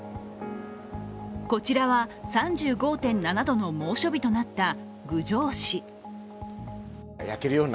こちらは３５．７度の猛暑日となった郡上市。